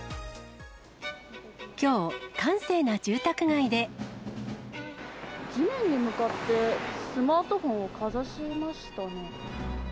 きょう、地面に向かってスマートフォンをかざしましたね。